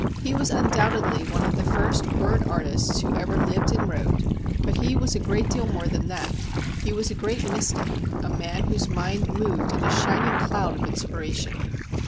He was undoubtedly one of the first word artists who ever lived and wrote, but he was a great deal more than that; he was a great mystic, a man whose mind moved in a shining cloud of inspiration.